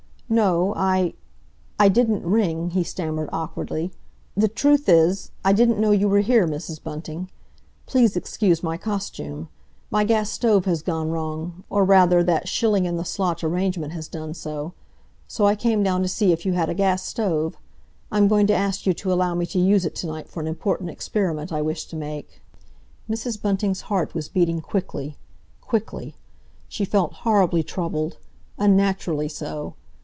"No, I—I didn't ring," he stammered awkwardly. "The truth is, I didn't know you were here, Mrs. Bunting. Please excuse my costume. My gas stove has gone wrong, or, rather, that shilling in the slot arrangement has done so. So I came down to see if you had a gas stove. I am going to ask you to allow me to use it to night for an important experiment I wish to make." Mrs. Bunting's heart was beating quickly—quickly. She felt horribly troubled, unnaturally so.